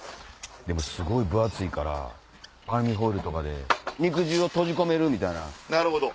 すごい分厚いからアルミホイルとかで肉汁を閉じ込めるみたいな。